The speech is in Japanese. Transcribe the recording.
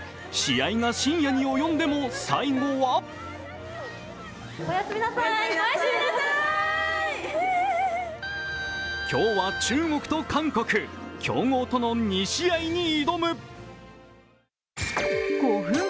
試合が深夜に及んでも最後は今日は中国と韓国、強豪との２試合に挑む。